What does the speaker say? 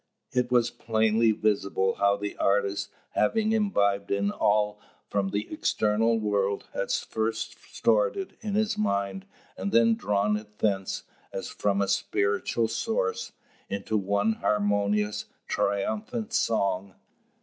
It was plainly visible how the artist, having imbibed it all from the external world, had first stored it in his mind, and then drawn it thence, as from a spiritual source, into one harmonious, triumphant song.